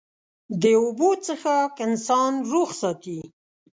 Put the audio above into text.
د اوبو څښاک انسان روغ ساتي.